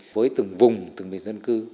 với từng vùng từng vị dân cư